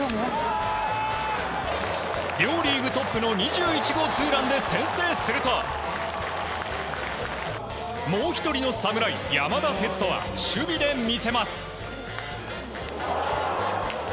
両リーグトップの２１号ツーランで先制するともう１人の侍・山田哲人は守備で見せます。